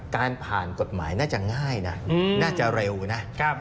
การผ่านกฎหมายน่าจะง่ายนะน่าจะเร็วนะ